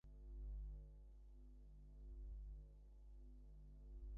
তাই হামলা ঠেকাতে হিন্দু-অধ্যুষিত এলাকাগুলোতে রাত জেগে পাহারার ব্যবস্থা করা হয়েছে।